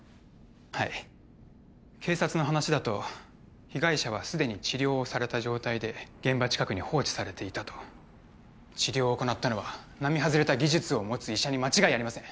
はい警察の話だと被害者は既に治療をされた状態で現場近くに放置されていたと治療を行ったのは並外れた技術を持つ医者に間違いありません